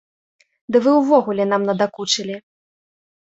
Ды вы ўвогуле нам надакучылі!